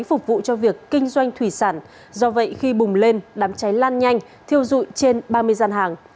phục vụ cho việc kinh doanh thủy sản do vậy khi bùng lên đám cháy lan nhanh thiêu dụi trên ba mươi gian hàng